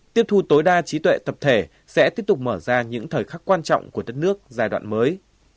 tiếp thu tối đa trí tuệ tập thể sẽ tiếp tục mở ra những thời khắc quan trọng của đất nước giai đoạn mới